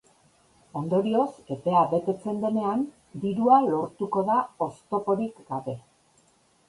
Ondorioz, epea betetzen denean, dirua lortuko da oztoporik gabe.